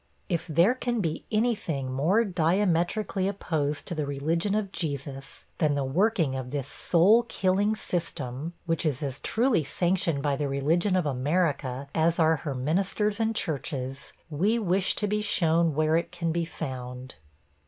' If there can be any thing more diametrically opposed to the religion of Jesus, than the working of this soul killing system which is as truly sanctioned by the religion of America as are her ministers and churches we wish to be shown where it can be found.